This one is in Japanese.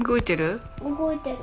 動いてる？